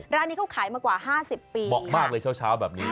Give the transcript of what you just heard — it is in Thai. ร้านนี้เขาขายมากว่า๕๐ปีเหมาะมากเลยเช้าแบบนี้